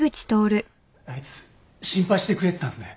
あいつ心配してくれてたんすね。